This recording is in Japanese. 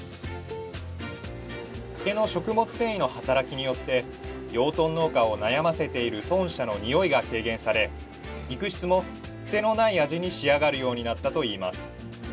竹の食物繊維の働きによって養豚農家を悩ませている豚舎のにおいが軽減され肉質もクセのない味に仕上がるようになったといいます